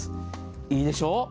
いいでしょう。